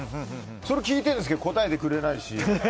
それを聞いてるんですけど答えてくれないし。